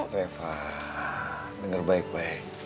reva denger baik baik